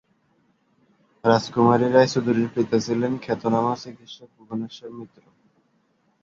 রাজকুমারী রায়চৌধুরীর পিতা ছিলেন খ্যাতনামা চিকিৎসক ভুবনেশ্বর মিত্র।